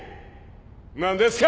何ですか！？